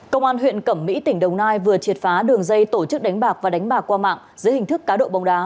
công an huyện cẩm mỹ tỉnh đồng nai vừa triệt phá đường dây tổ chức đánh bạc và đánh bạc qua mạng dưới hình thức cá độ bóng đá